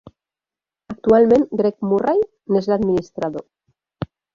Actualment, Greg Murray n'és l'administrador.